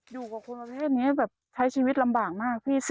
อยู่กับคนประเภทนี้แบบใช้ชีวิตลำบากมากพี่สิ